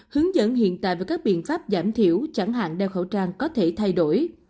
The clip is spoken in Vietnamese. hướng dẫn hiện tại và các biện pháp giảm thiểu chẳng hạn đeo khẩu trang có thể thay đổi